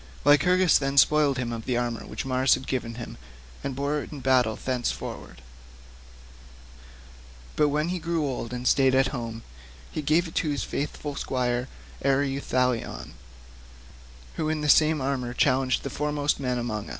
Lycurgus then spoiled him of the armour which Mars had given him, and bore it in battle thenceforward; but when he grew old and stayed at home, he gave it to his faithful squire Ereuthalion, who in this same armour challenged the foremost men among us.